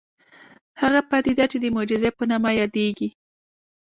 هغه پديده چې د معجزې په نامه يادېږي.